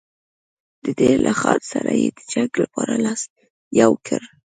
د دیر له خان سره یې د جنګ لپاره لاس یو کړ.